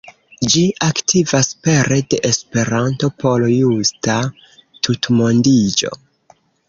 Ĝi aktivas pere de Esperanto por justa tutmondiĝo.